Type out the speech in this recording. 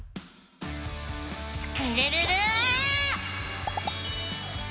スクるるる！